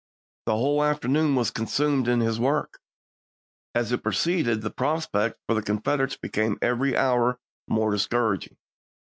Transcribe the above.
The whole afternoon was consumed in this work, and as it proceeded the prospect for the Confed erates became every hour more discouraging.